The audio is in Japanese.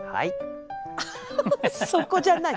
そこじゃない。